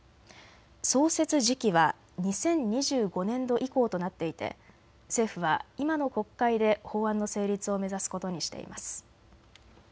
創設時期は２０２５年度以降となっていて政府は今の国会で法案の成立を目指すことにしています。